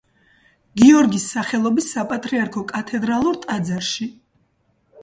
გიორგის სახელობის საპატრიარქო კათედრალურ ტაძარში.